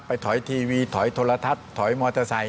ถอยทีวีถอยโทรทัศน์ถอยมอเตอร์ไซค